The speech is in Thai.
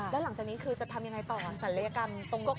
แล้วหลังจากนี้คือจะทำยังไงต่อศัลยกรรมตรงนี้